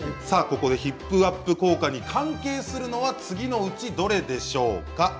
ヒップアップ効果に関係するのは次のうち、どれでしょうか。